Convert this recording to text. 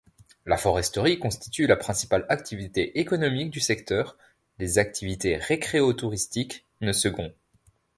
La foresterie constitue la principale activité économique du secteur; les activités récréotouristiques, ne second.